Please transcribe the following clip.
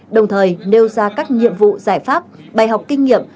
đồng thời nêu ra các nhiệm vụ giải pháp bài học kinh nghiệm